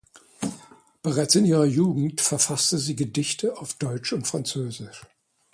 Bereits in ihrer Jugend verfasste sie Gedichte auf Deutsch und Französisch.